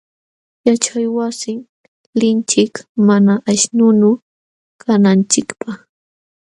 Yaćhaywasin linchik mana aśhnunu kananchikpaq.